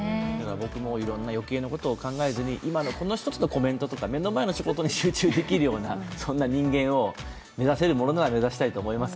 僕もいろんな余計なことを考えずに今のこの１つのコメントとか目の前の仕事に集中できるような人間を目指せるものなら目指したいと思います。